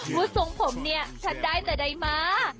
ว่าทรงผมเนี่ยฉันได้แต่ใดมา